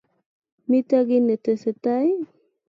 Mito kiy ne tesetai